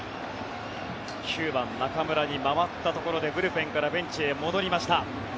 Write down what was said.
９番、中村に回ったところでブルペンからベンチへ戻りました。